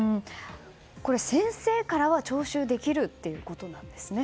先生からは徴収できるということなんですね。